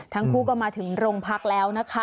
ทั้งคู่ก็มาถึงโรงพักแล้วนะคะ